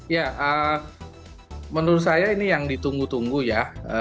ya menurut saya ini yang ditunggu tunggu ya